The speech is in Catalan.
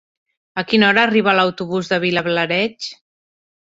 A quina hora arriba l'autobús de Vilablareix?